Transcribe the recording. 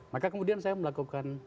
maka kemudian saya melakukan